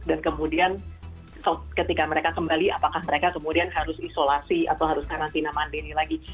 dan kemudian ketika mereka kembali apakah mereka kemudian harus isolasi atau harus karantina mandiri lagi